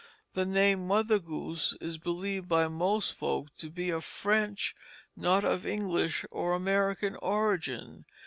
The name Mother Goose is believed by most folk to be of French, not of English or American origin.